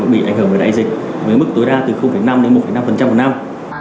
bị ảnh hưởng bởi đại dịch với mức tối đa từ năm đến một năm một năm